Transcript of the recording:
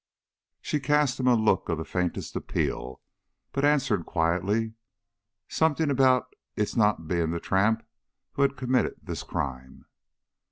She cast him a look of the faintest appeal, but answered quietly: "Something about its not being the tramp who had committed this crime."